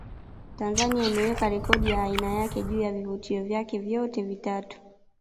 Tanzania imeweka rekodi ya aina yake juu ya vivutio vyake vyote vitatu